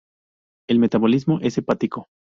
El metabolismo es hepático.